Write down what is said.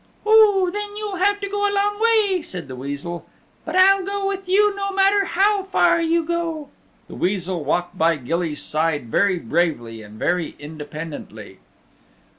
"Oh, then you'll have to go a long way," said the Weasel, "but I'll go with you no matter bow far you go." The Weasel walked by Gilly's side very bravely and very independently.